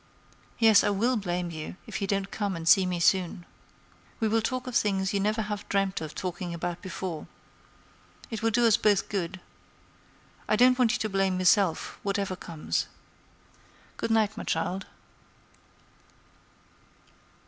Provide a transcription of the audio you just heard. "Yes, I will blame you if you don't come and see me soon. We will talk of things you never have dreamt of talking about before. It will do us both good. I don't want you to blame yourself, whatever comes. Good night, my child."